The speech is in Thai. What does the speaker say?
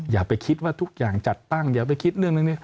อย่าไปคิดว่าทุกอย่างจัดตั้งอย่าไปคิดเรื่องเรื่องนี้